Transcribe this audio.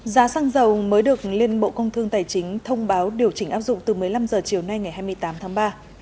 giá xăng dầu mới được liên bộ công thương tài chính thông báo điều chỉnh áp dụng từ một mươi năm h chiều nay ngày hai mươi tám tháng ba